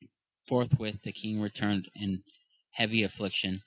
Forthwith the king returned in heavy affliction.